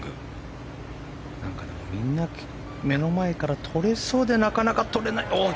みんな目の前からとれそうでなかなかとれない。